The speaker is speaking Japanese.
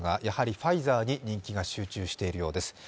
やはりファイザーに人気が集中しているようです。